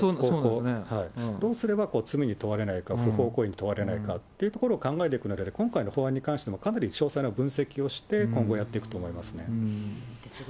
どうすれば、罪に問われないか、不法行為に問われないかというところを考える中で、今回の法案の中で、かなり詳細な分析をして、今後やっていくと思いますね。